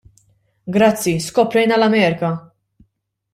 Grazzi, skoprejna l-Amerka!